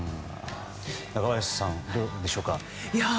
中林さんどうでしょうか。